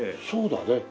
そうだね。